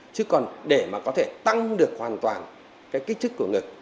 chứ còn để mà có thể tăng được hoàn toàn cái kích chức của ngực